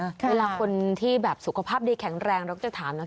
เวลาคนที่แบบสุขภาพดีแข็งแรงเราก็จะถามนะ